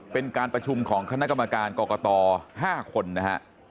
เป็นการประชุมของคณะกรรมการกรกต๕คนนะฮะ